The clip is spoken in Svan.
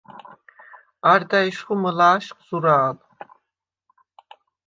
არდა ეშხუ მჷლა̄შხ ზურა̄ლ.